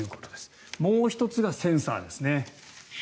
もう１つがセンサーですね。